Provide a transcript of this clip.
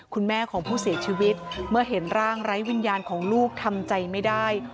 คุณแม่ของผู้เสียชีวิตเมื่อเห็นร่างไร้วิญญาณของลูกทำใจไม่ได้